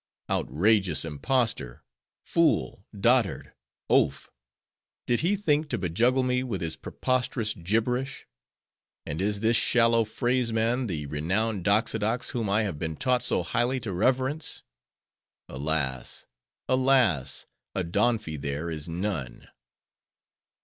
"Outrageous impostor! fool, dotard, oaf! Did he think to bejuggle me with his preposterous gibberish? And is this shallow phraseman the renowned Doxodox whom I have been taught so highly to reverence? Alas, alas—Odonphi there is none!"